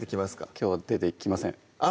きょうは出てきませんあっ